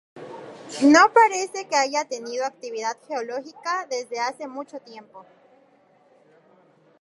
No parece que haya tenido actividad geológica desde hace mucho tiempo.